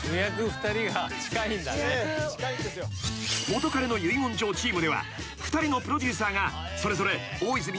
［『元彼の遺言状』チームでは２人のプロデューサーがそれぞれ大泉洋。